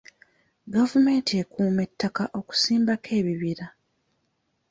Gavumenti ekuuma ettaka okusimbako ebibira.